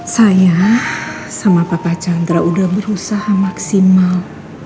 saya sama papa chandra sudah berusaha maksimal